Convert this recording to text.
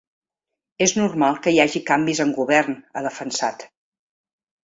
És normal que hi hagi canvis en govern, ha defensat.